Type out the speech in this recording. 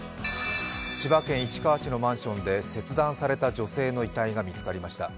千葉県市川市のマンションで切断された女性の遺体が見つかりました。